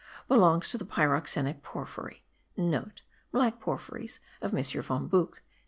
belongs to the pyroxenic porphyry.* (* Black porphyries of M. von Buch.)